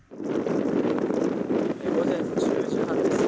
午前１０時半です。